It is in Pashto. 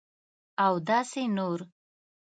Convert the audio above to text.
اوداسي نور